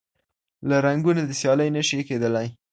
له رنګونو دي سیالي نه سي کېدلای